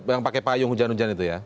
yang pakai payung hujan hujan itu ya